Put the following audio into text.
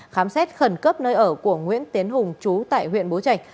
khám xét khẩn cấp nơi ở của nguyễn tiến hùng trú tại huyện bố trạch